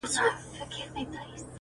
o دا لکه ماسوم ته چي پېښې کوې.